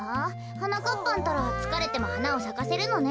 はなかっぱんったらつかれてもはなをさかせるのね。